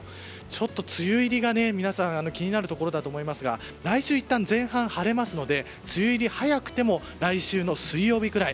ちょっと梅雨入りが皆さん気になるところだと思いますが来週前半は晴れますので梅雨入り早くても来週の水曜日くらい。